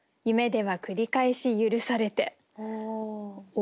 お。